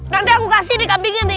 nanti aku kasih ini kembingnya nih